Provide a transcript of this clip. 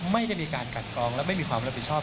ไม่ได้มีการกันกรองและไม่มีความรับผิดชอบ